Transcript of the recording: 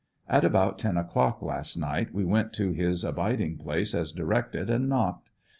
At about ten o'clock last night we went to his abiding place as directed and knocked.